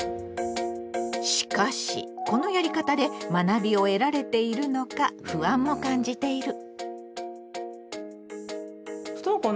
しかしこのやり方で学びを得られているのか不安も感じている。